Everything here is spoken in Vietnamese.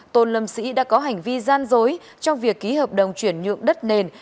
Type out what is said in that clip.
tôn lâm sĩ đã có hành vi gian dối trong việc ký hợp đồng chuyển nhượng đất nền